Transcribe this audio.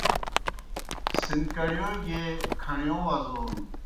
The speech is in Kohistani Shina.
سِنکڑِیو گیئے کھݨِیو وزون